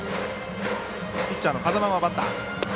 ピッチャーの風間がバッター。